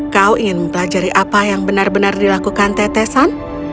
kau ingin mempelajari apa yang benar benar dilakukan tetesan